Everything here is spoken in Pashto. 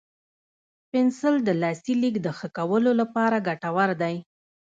پنسل د لاسي لیک د ښه کولو لپاره ګټور دی.